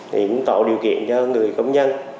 thì cũng tạo điều kiện cho người công nhân